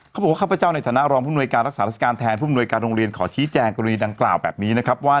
เขาบอกว่าข้าพเจ้าในฐานะรองผู้มนวยการรักษาราชการแทนผู้มนวยการโรงเรียนขอชี้แจงกรณีดังกล่าวแบบนี้นะครับว่า